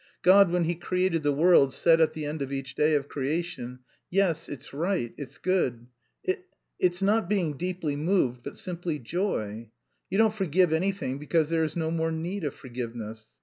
God, when He created the world, said at the end of each day of creation, 'Yes, it's right, it's good.' It... it's not being deeply moved, but simply joy. You don't forgive anything because there is no more need of forgiveness.